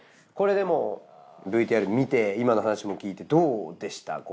これでもＶＴＲ見て今の話も聞いてどうでした？